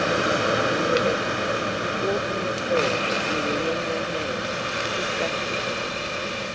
exclaimed Rebecca, walking the floor and wringing her hands distractedly.